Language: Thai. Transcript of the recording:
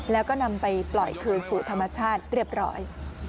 แล้วก็นำไปปล่อยคืนสู่ธรรมชาติเรียบร้อย